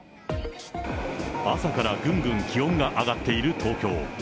朝からぐんぐん気温が上がっている東京。